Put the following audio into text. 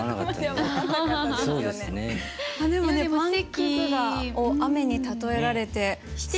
でもパンくずを雨に例えられて。